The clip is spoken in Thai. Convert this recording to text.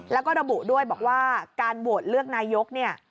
แล้วก็ระบุด้วยบอกว่าการโหวตเลือกนายกเนี่ย